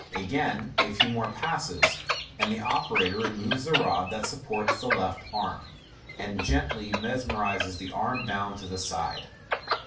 Again a few more passes, and the operator removes the rod that supports the left arm, and gently mes MODERN MAGIC. 499 menses the arm down to the side.